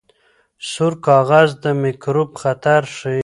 سور کاغذ د میکروب خطر ښيي.